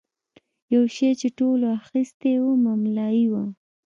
یو شی چې ټولو اخیستی و مملايي وه.